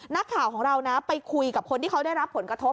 นักข่าวของเรานะไปคุยกับคนที่เขาได้รับผลกระทบ